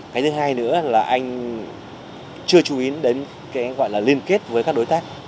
cái thứ hai nữa là anh chưa chú ý đến liên kết với các đối tác